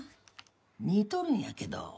似とるんやけど。